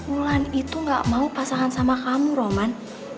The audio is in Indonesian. wulan itu gak mau pasangan sama kamu roman